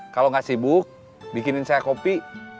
kalau nggak sibuk bikinin saya kopi